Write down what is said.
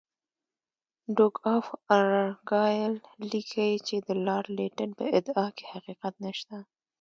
ډوک آف ارګایل لیکي چې د لارډ لیټن په ادعا کې حقیقت نشته.